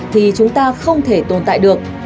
thì chúng ta không thể tồn tại được